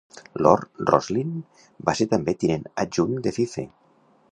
Lord Rosslyn va ser també tinent adjunt de Fife.